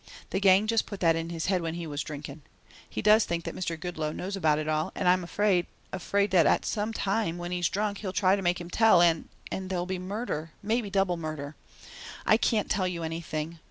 The gang just put that in his head when he was drinking. He does think that Mr. Goodloe knows about it all and I'm afraid afraid that some time when he's drunk he'll try to make him tell and and there'll be murder, maybe double murder. I can't tell you anything.